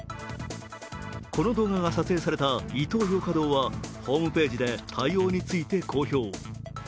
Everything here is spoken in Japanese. この動画が撮影されたイトーヨーカドーはホームページで対応について公表。